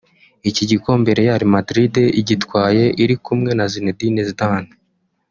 Iki gikombe Real Madrid igitwaye iri kumwe na Zinedine Zidane